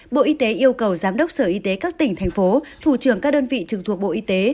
bộ y tế yêu cầu giám đốc sở y tế các tỉnh thành phố thủ trưởng các đơn vị trực thuộc bộ y tế